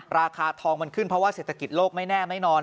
ราคาทองมันขึ้นเพราะว่าเศรษฐกิจโลกไม่แน่ไม่นอน